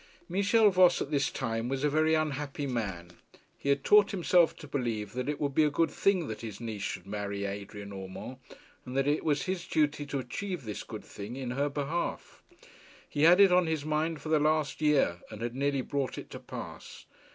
Michel Voss at this time was a very unhappy man. He had taught himself to believe that it would be a good thing that his niece should marry Adrian Urmand, and that it was his duty to achieve this good thing in her behalf. He had had it on his mind for the last year, and had nearly brought it to pass.